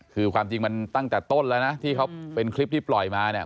คือความจริงมันตั้งแต่ต้นแล้วนะที่เขาเป็นคลิปที่ปล่อยมาเนี่ย